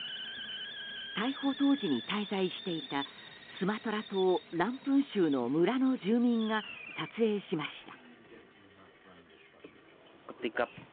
逮捕当時に滞在していたスマトラ島ランプン州の村の住民が撮影しました。